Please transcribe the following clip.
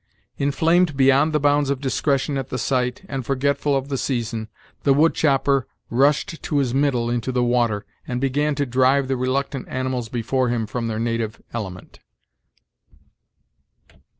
Inflamed beyond the bounds of discretion at the sight, and forgetful of the season, the wood chopper rushed to his middle into the water, and began to drive the reluctant animals before him from their native element.